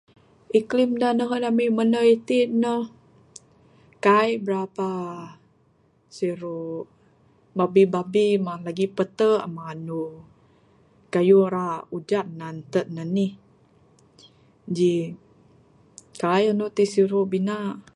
Iklim da nehen ami mende itin ne kaik brapa siru, babbi babbi mah, lagi pete mah anu kayuh ra ujan anten ne nih ji kaik anu ti siru bina.